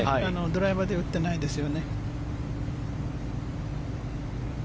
ドライバーで打ってないですね。